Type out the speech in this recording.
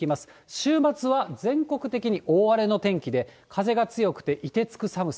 週末は全国的に大荒れの天気で、風が強くて、凍てつく寒さ。